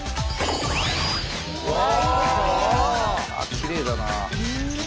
きれいだな。